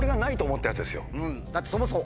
うんだってそもそも。